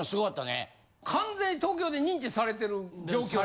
完全に東京で認知されてる状況や。